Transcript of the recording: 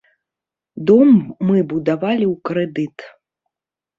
Дом мы будавалі ў крэдыт.